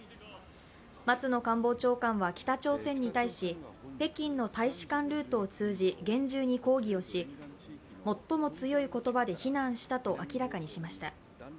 松野官房長官は北朝鮮に対し、北京の大使館ルートを通じ、厳重に抗議し、最も強い言葉で非難したと明らかにしました。